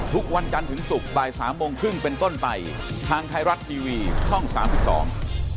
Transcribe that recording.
ต้องบอกว่าเป็นข่าวดีจริง